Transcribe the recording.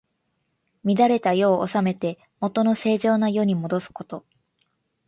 乱れた世を治めて、もとの正常な世にもどすこと。